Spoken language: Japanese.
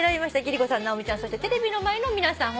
貴理子さん直美ちゃんそしてテレビの前の皆さん